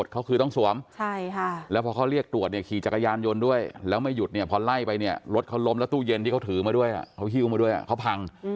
เขาหิ้วมาด้วยเขาพัง